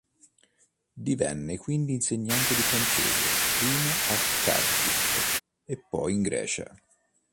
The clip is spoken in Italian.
Divenne quindi insegnante di francese prima a Cardiff e poi in Grecia.